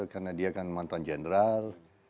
karena dia kan mantan jenderal